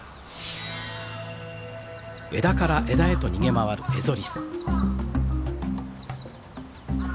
枝から枝へと逃げ回るエゾリス。